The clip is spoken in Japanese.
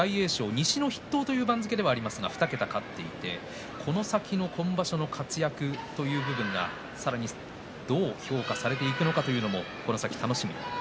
西の筆頭という番付ではありますが２桁勝っていてこの先の今場所の活躍という部分が、さらにどう評価されていくのかというのも、この先楽しみです。